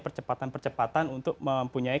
percepatan percepatan untuk mempunyai